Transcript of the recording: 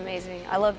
saya suka berlari